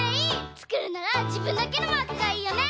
つくるならじぶんだけのマークがいいよね！